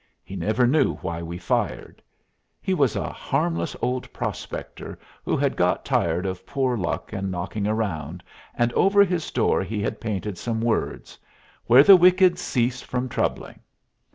He never knew why we fired. He was a harmless old prospector who had got tired of poor luck and knocking around, and over his door he had painted some words: 'Where the wicked cease from troubling.'